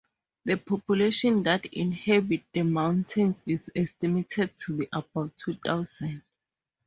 The population that inhabit the mountains is estimated to be about two thousand.